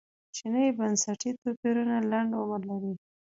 کوچني بنسټي توپیرونه لنډ عمر لري.